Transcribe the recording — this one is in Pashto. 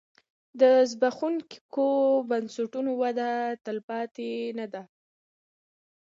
د زبېښونکو بنسټونو وده تلپاتې نه ده.